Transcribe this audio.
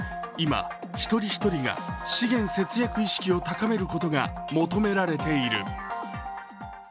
今、一人一人が資源節約意識を高めることが求められている。